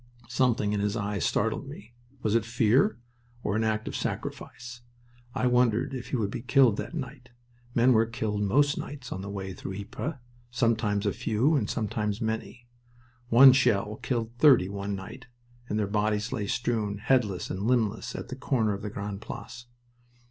Something in his eyes startled me. Was it fear, or an act of sacrifice? I wondered if he would be killed that night. Men were killed most nights on the way through Ypres, sometimes a few and sometimes many. One shell killed thirty one night, and their bodies lay strewn, headless and limbless, at the corner of the Grande Place.